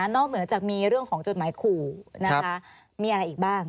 เหนือจากมีเรื่องของจดหมายขู่นะคะมีอะไรอีกบ้าง